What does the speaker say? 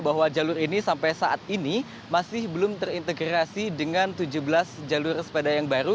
bahwa jalur ini sampai saat ini masih belum terintegrasi dengan tujuh belas jalur sepeda yang baru